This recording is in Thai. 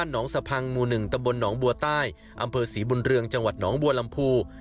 หนองสะพังหมู่๑ตำบลหนองบัวใต้อำเภอศรีบุญเรืองจังหวัดหนองบัวลำพู